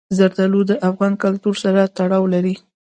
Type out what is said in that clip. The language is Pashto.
زردالو د افغان کلتور سره تړاو لري.